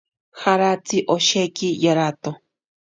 Jaratsi osheki yarato.